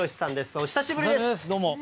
お久しぶりです。